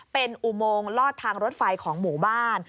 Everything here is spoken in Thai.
เป็นอุโมงลอดทางรถไฟของหมู่บ้าน